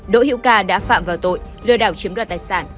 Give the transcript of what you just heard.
đỗ hiễu ca đã phạm vào tội lừa đảo chiếm đoạt tài sản